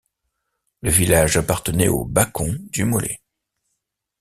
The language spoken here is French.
Le village appartenait aux Bacon du Molay.